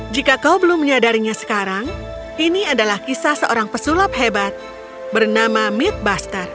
jika kau belum menyadarinya sekarang ini adalah kisah seorang pesulap hebat bernama midbuster